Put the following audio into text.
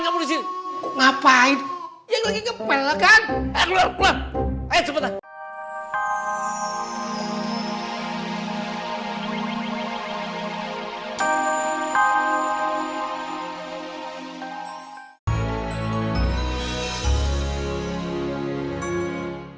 ya gue lagi kepel kan